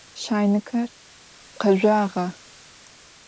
Şaynıker khezjağa?